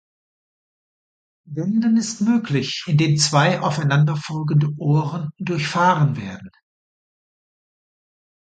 Wenden ist möglich, indem zwei aufeinanderfolgende Ohren durchfahren werden.